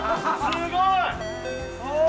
すごい。